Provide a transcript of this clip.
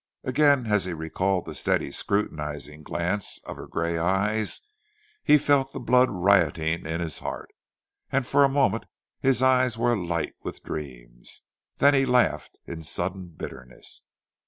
Again, as he recalled the steady scrutinizing glance of her grey eyes, he felt the blood rioting in his heart, and for a moment his eyes were alight with dreams. Then he laughed in sudden bitterness.